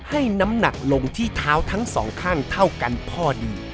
ให้น้ำหนักลงที่เท้าทั้งสองข้างเท่ากันพอดี